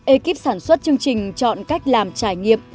ekip sản xuất chương trình chọn cách làm trải nghiệm